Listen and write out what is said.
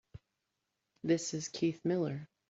This is Keith Miller.